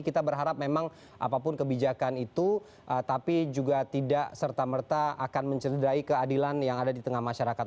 kita berharap memang apapun kebijakan itu tapi juga tidak serta merta akan mencederai keadilan yang ada di tengah masyarakat